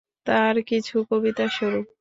তার কিছু কবিতা স্বরূপ।